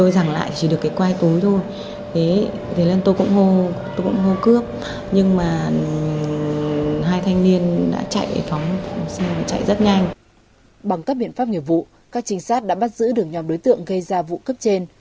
bằng các biện pháp nghiệp vụ các trinh sát đã bắt giữ được nhóm đối tượng gây ra vụ cướp trên